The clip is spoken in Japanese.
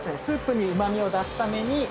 スープにうま味を出すために。